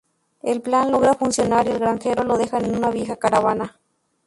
El plan logra funcionar y al Granjero lo dejan en una vieja caravana.